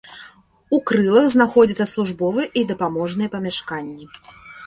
У крылах знаходзяцца службовыя і дапаможныя памяшканні.